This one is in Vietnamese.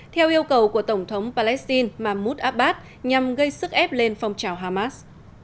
theo yêu cầu của tổng thống palestine mahmoud abbas nhằm gây sức ép lên phong trào hamas